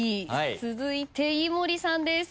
続いて井森さんです。